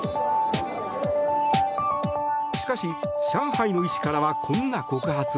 しかし、上海の医師からはこんな告発も。